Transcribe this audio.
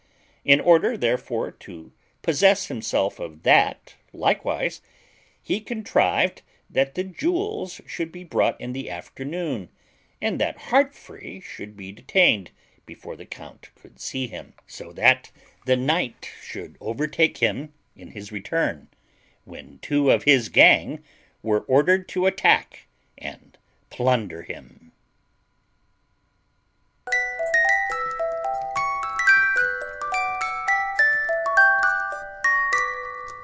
In order therefore to possess himself of that likewise, he contrived that the jewels should be brought in the afternoon, and that Heartfree should be detained before the count could see him; so that the night should overtake him in his return, when two of his gang were ordered to attack and plunder him.